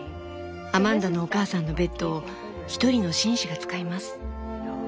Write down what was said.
アマンダのお母さんのベッドを１人の紳士が使います。